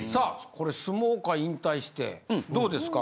これ相撲界引退してどうですか？